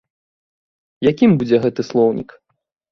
Якім будзе гэты слоўнік?